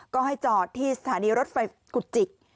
ก็ให้จอดที่สถานีรถไฟกุจิก